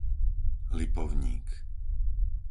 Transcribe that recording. Lipovník